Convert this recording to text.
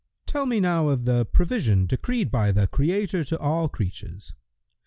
Q "Tell me now of the provision decreed by the Creator to all creatures.